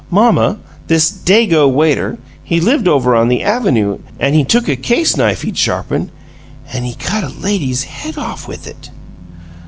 "Mamma, this Dago waiter, he lived over on the avynoo, an' he took a case knife he'd sharpened AN' HE CUT A LADY'S HEAD OFF WITH IT!"